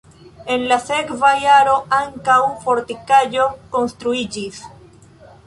En la sekva jaro ankaŭ fortikaĵo konstruiĝis.